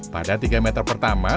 pada tiga meter pertama